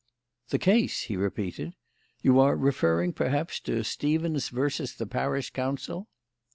"The case?" he repeated. "You are referring, perhaps, to Stevens versus the Parish Council?"